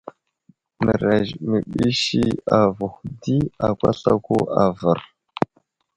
Mərez i məɓəs avuhw di akwaslako avər.